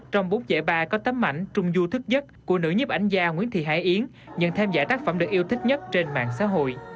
trong bốn giải ba có tấm ảnh trung du thức nhất của nữ nhiếp ảnh gia nguyễn thị hải yến nhận thêm giải tác phẩm được yêu thích nhất trên mạng xã hội